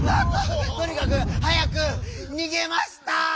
ととにかく早く「にげましたぁ」！